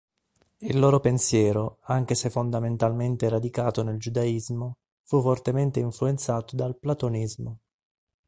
Il loro pensiero, anche se fondamentalmente radicato nel Giudaismo, fu fortemente influenzato dal Platonismo.